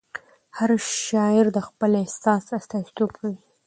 هر شاعر د خپل احساس استازیتوب کوي.